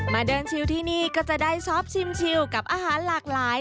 เดินชิวที่นี่ก็จะได้ซอฟชิมกับอาหารหลากหลาย